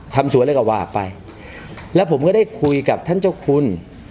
ทำสวยอะไรก็ว่าไปแล้วผมก็ได้คุยกับท่านเจ้าคุณ